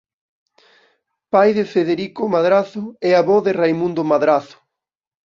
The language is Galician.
Pai de Federico Madrazo e avó de Raimundo Madrazo.